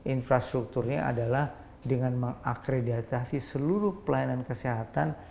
infrastrukturnya adalah dengan mengakreditasi seluruh pelayanan kesehatan